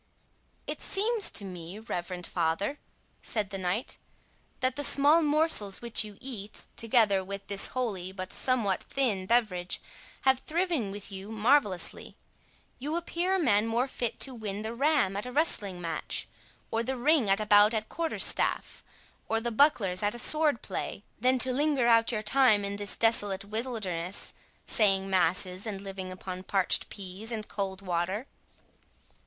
"It seems to me, reverend father," said the knight, "that the small morsels which you eat, together with this holy, but somewhat thin beverage, have thriven with you marvellously. You appear a man more fit to win the ram at a wrestling match, or the ring at a bout at quarter staff, or the bucklers at a sword play, than to linger out your time in this desolate wilderness, saying masses, and living upon parched pease and cold water."